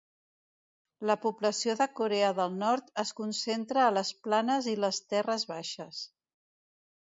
La població de Corea del Nord es concentra a les planes i les terres baixes.